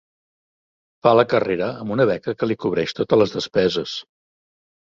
Fa la carrera amb una beca que li cobreix totes les despeses.